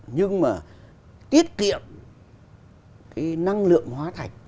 nhưng mà tiết kiệm năng lượng hóa thạch